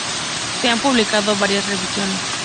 Se han publicado varias revisiones.